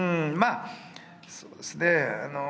そうですね。